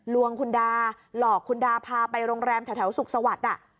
ลวงคุณดาหลอกคุณดาพาไปโรงแรมแถวสุขสวัสดิ์